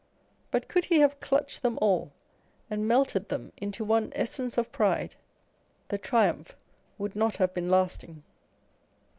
But could he have clutched them all, and melted them into one essence of pride, the triumph would not have been lasting.